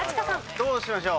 どうしましょう？